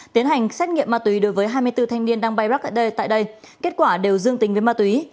tiến hành xét nghiệm mặt tùy đối với hai mươi bốn thanh niên đang bay rắc tại đây kết quả đều dương tính với mặt tùy